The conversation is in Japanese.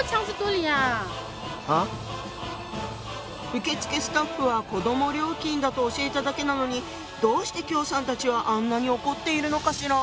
受付スタッフは子ども料金だと教えただけなのにどうして喬さんたちはあんなに怒っているのかしら？